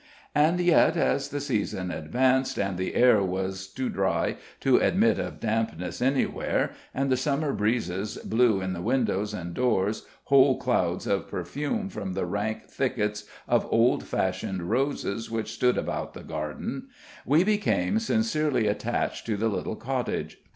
And yet, as the season advanced, and the air was too dry to admit of dampness anywhere, and the Summer breezes blew in the windows and doors whole clouds of perfume from the rank thickets of old fashioned roses which stood about the garden, we became sincerely attached to the little cottage.